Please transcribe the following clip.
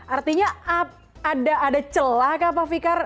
artinya ada celah kah pak fikar